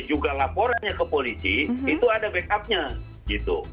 juga laporannya ke polisi itu ada backupnya gitu